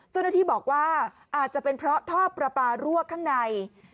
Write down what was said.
เจ้าหน้าที่บอกว่าอาจจะเป็นเพราะท่อประปารั่วข้างใน